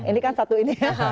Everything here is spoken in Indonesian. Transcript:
ini kan satu ini ya